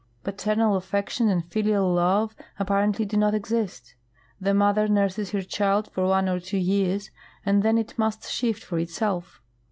Paternal affection and filial love apparently do not exist. The mother nurses her child for one or two years, and then it must shift for itself.